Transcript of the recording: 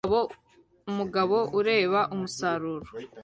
Umugabo ureba umusaruro